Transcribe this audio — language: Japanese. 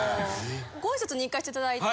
ご挨拶に行かせて頂いて。